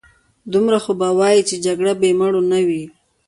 دومره خو به وايې چې جګړه بې مړو نه وي.